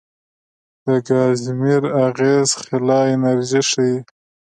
د کازیمیر اغېز خلا انرژي ښيي.